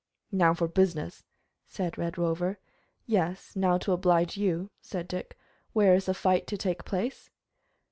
"Now for business," said the Red Rover. "Yes, now to oblige you," said Dick. "Where is the fight to take place?"